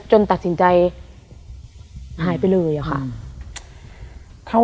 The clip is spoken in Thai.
จนตัดสินใจหายไปเลยเลยค่ะ